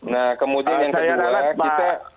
nah kemudian yang kedua